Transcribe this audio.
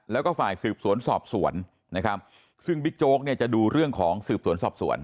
แล้วก็ฝ่ายสืบสวนสอบสวนนะครับซึ่งบิ๊กโจ๊กเนี่ยจะดูเรื่องของสืบสวนสอบสวน